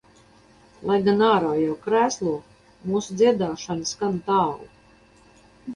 Lai gan ārā jau krēslo, mūsu dziedāšana skan tālu.